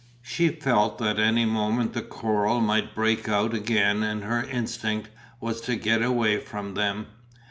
She felt that any moment the quarrel might break out again and her instinct was to get away from them.